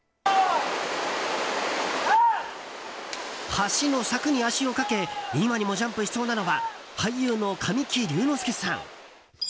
橋の柵に足をかけ今にもジャンプしそうなのは俳優の神木隆之介さん。